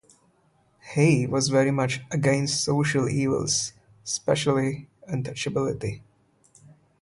He was very much against social evils, especially untouchability.